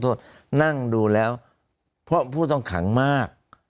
นั่งดูแล้วเพราะผู้ต้องขังมาก